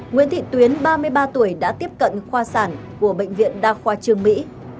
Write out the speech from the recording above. nguyễn thị tuyến ba mươi ba tuổi đã tiếp cận khoa sản của bệnh viện đa khoa trương mỹ